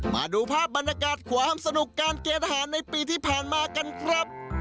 มาดูภาพบรรยากาศความสนุกการเกณฑ์อาหารในปีที่ผ่านมากันครับ